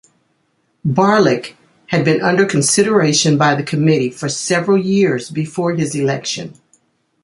Barlick had been under consideration by the committee for several years before his election.